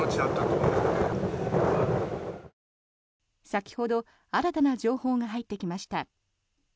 先ほど新たな情報が入ってきました。